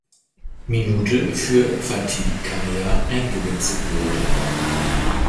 Minute für Fatih Kaya eingewechselt wurde.